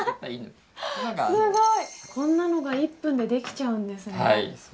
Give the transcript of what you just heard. すごい、こんなのが１分で出てきちゃうんですね。